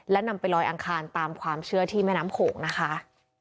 และนำไปลอยอังคารตามความเชื่อที่แม่น้ำโขงนะคะ